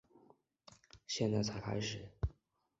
现在才开始